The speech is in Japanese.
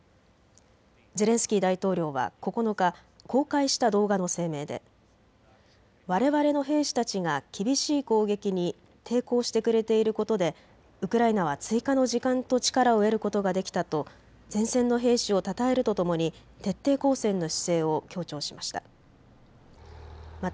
ゼレンスキー大統領は９日、公開した動画の声明でわれわれの兵士たちが厳しい攻撃に抵抗してくれていることでウクライナは追加の時間と力を得ることができたと前線の兵士をたたえるとともに徹底抗戦の姿勢を強調しました。